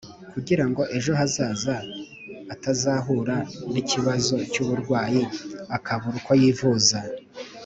kugira ngo ejo hazaza atazahura n’ikibazo cy’uburwayi akabura uko yivuza.